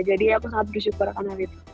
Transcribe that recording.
jadi aku sangat bersyukur karena itu